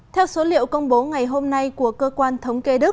theo số liệu công bố ngày hôm nay của cơ quan thống kê đức